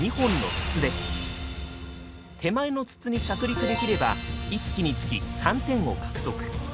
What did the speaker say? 手前の筒に着陸できれば１機につき３点を獲得。